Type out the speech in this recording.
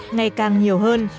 ngày càng nhiều hơn